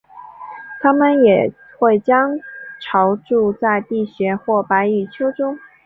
它们也会将巢筑在地穴或白蚁丘中。